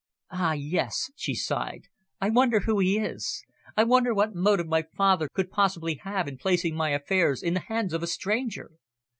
"Ah, yes," she sighed. "I wonder who he is? I wonder what motive my father could possibly have in placing my affairs in the hands of a stranger?"